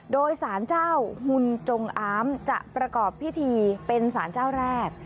โดยสารเจ้าหุ่นจงอามจะประกอบพิธีเป็นสารเจ้าแรก